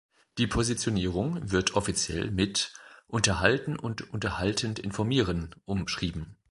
Die Positionierung wird offiziell mit „Unterhalten und unterhaltend informieren“ umschrieben.